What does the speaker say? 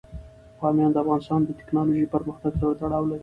بامیان د افغانستان د تکنالوژۍ پرمختګ سره تړاو لري.